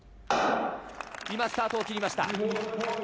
今、スタートを切りました。